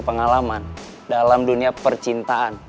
danach dengan yang bodoh banget gt